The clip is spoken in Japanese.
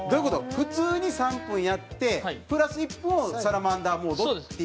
普通に３分やってプラス１分をサラマンダーモードっていうのにするの？